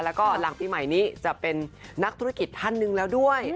แล้วก็หลังปีใหม่นี้จะเป็นนักธุรกิจท่านหนึ่งแล้วด้วย